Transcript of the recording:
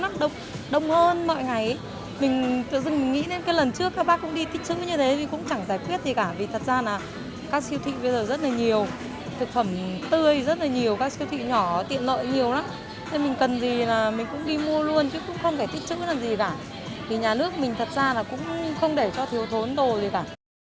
thật ra là các siêu thị bây giờ rất là nhiều thực phẩm tươi rất là nhiều các siêu thị nhỏ tiện lợi nhiều lắm nên mình cần gì là mình cũng đi mua luôn chứ cũng không phải thích chức làm gì cả vì nhà nước mình thật ra là cũng không để cho thiếu thốn đồ gì cả